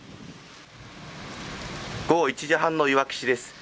午後１時半のいわき市です。